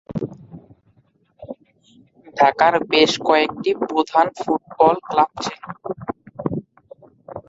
ঢাকার বেশ কয়েকটি প্রধান ফুটবল ক্লাব ছিল।